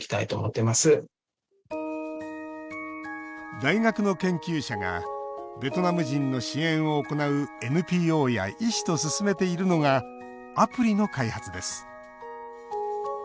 大学の研究者がベトナム人の支援を行うＮＰＯや医師と進めているのがアプリの開発です。